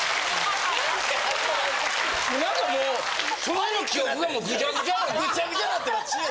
何かもうその辺の記憶がもうぐちゃぐちゃなんですよ。